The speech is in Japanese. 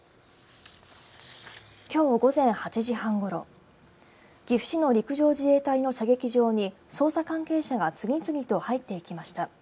きょう午前８時半ごろ岐阜市の陸上自衛隊の射撃場に捜査関係者が次々と入っていきました。